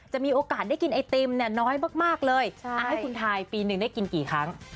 มีโอกาสได้กินไอติมน้อยมากเลยให้คุณทายปีหนึ่งได้กินกี่ครั้ง